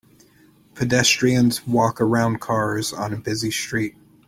Pedestrians walk around cars on a busy street.